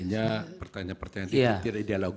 ya pertanyaan pertanyaan yang lebih penting